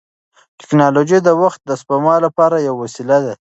ټیکنالوژي د وخت د سپما لپاره یوه وسیله ده.